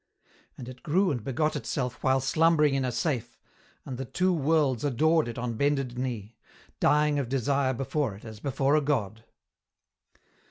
And it grew and begot itself while slumbering in a safe, and the Two Worlds adored it on bended knee, dying of desire before it as before a God.